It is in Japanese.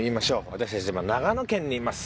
私たちは今長野県にいます。